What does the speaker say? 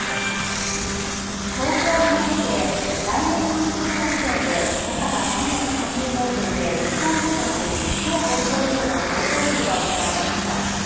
東京港区で、来年、完成した時点で高さ３３０メートルで日本一となる超高層ビルの上棟式が行われました。